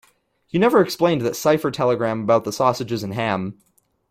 You never explained that cipher telegram about the sausages and ham.